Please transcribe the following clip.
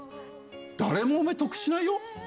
誰も得しないよ？